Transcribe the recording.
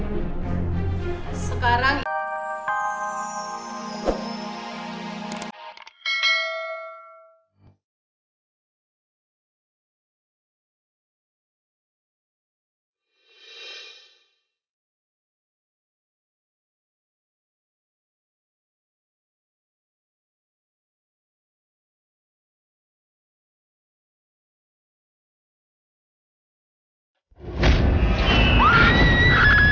lama banget malunya